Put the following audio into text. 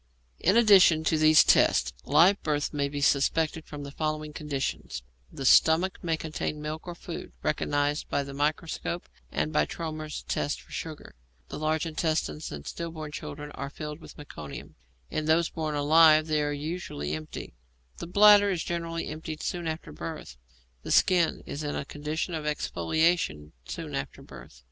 In addition to these tests, live birth may be suspected from the following conditions: The stomach may contain milk or food, recognized by the microscope and by Trommer's test for sugar; the large intestines in stillborn children are filled with meconium, in those born alive they are usually empty; the bladder is generally emptied soon after birth; the skin is in a condition of exfoliation soon after birth.